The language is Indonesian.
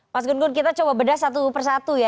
mas gun gun kita coba bedah satu persatu ya